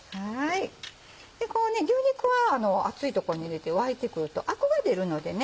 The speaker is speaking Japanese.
この牛肉は熱いところに入れて沸いてくるとアクが出るのでね